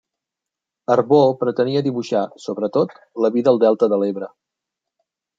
Arbó pretenia dibuixar, sobretot, la vida al Delta de l'Ebre.